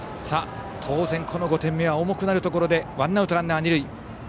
当然、５点目は重くなるところでワンアウトランナー、二塁。